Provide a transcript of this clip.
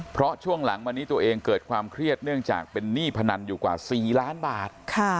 เพราะช่วงหลังวันนี้ตัวเองเกิดความเครียดเนื่องจากเป็นหนี้พนันอยู่กว่า๔ล้านบาท